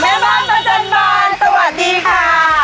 แม่บ้านประจันบานสวัสดีค่ะ